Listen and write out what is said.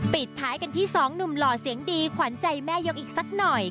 ปิดท้ายกันที่สองหนุ่มหล่อเสียงดีขวัญใจแม่ยกอีกสักหน่อย